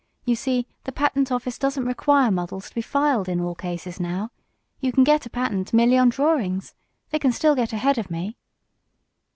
"You see, the patent office doesn't require models to be filed in all cases now. You can get a patent merely on drawings. They can still get ahead of me."